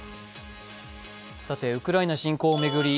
ウクライナ侵攻を巡り